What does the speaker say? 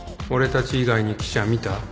俺たち以外に記者見た？